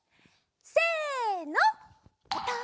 せの。